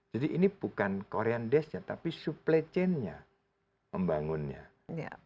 jadi ini bukan korean desknya tapi supply chainnya membangunnya